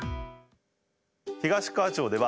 東川町では